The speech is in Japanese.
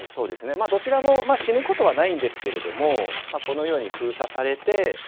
まあどちらも死ぬことはないんですけれどもこのように封鎖されて。